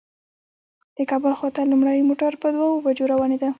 د کابل خواته لومړی موټر په دوو بجو روانېده.